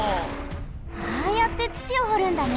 ああやってつちをほるんだね！